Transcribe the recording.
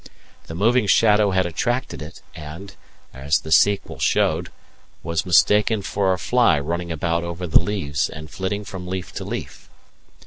The moving shadow had attracted it and, as the sequel showed, was mistaken for a fly running about over the leaves and flitting from leaf to leaf.